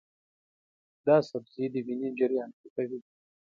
دا سبزی د وینې جریان ښه کوي.